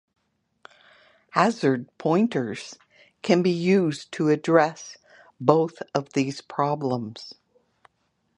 Hazard pointers can be used to address both of these problems.